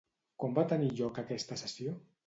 Quan va tenir lloc aquesta sessió?